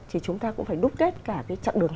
thì chúng ta cũng phải đúc kết cả cái chặng đường